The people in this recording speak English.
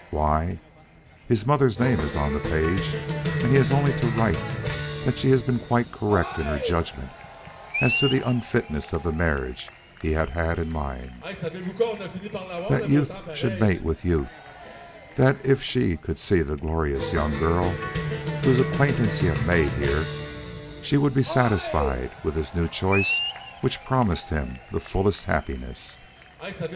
Why? His mother's name is on the page and he has only to write that she has been quite correct in her judgment as to the unfitness of the marriage he had had in mind: that youth should mate with youth and that if she could see the glorious young girl whose acquaintance he had made here, she would be satisfied with his new choice which promised him the fullest happiness.